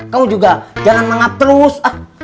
kamu juga jangan manggap terus